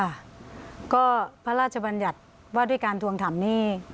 ค่ะก็พระราชบัญญัติว่าด้วยการทวงถามหนี้